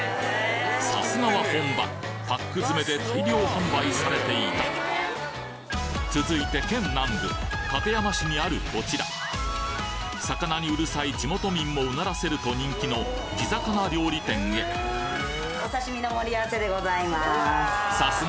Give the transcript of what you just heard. さすがは本場パック詰めで大量販売されていた続いて県南部館山市にあるこちら魚にうるさい地元民も唸らせると人気の地魚料理店へお刺身の盛り合わせでございます。